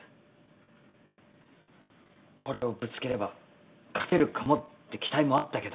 これをぶつければ勝てるかもって期待もあったけど。